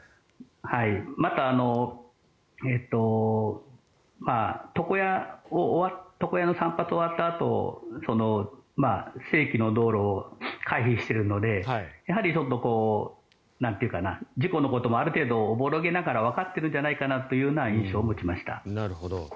また、床屋の散髪が終わったあと正規の道路を回避しているのでやはり事故のこともある程度おぼろげながらわかっているんじゃないかなというような印象を持ちました。